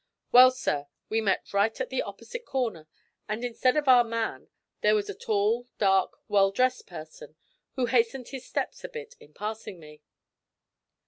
Well, sir, we met right at the opposite corner, and instead of our man, there was a tall, dark, well dressed person, who hastened his steps a bit in passing me.'